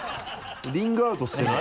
リングアウトしてない？